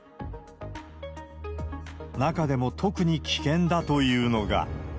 中でも特に危険だというのが。